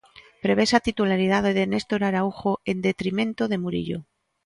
Prevese a titularidade de Néstor Araújo en detrimento de Murillo.